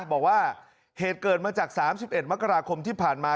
บอกว่าเหตุเกิดมาจาก๓๑มกราคมที่ผ่านมา